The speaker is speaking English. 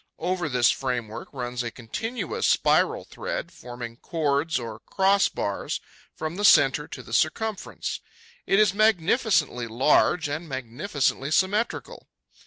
Over this framework runs a continuous spiral thread, forming chords, or cross bars, from the centre to the circumference. It is magnificently large and magnificently symmetrical.